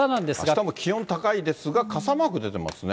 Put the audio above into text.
あしたも気温高いですが、傘マーク出てますね。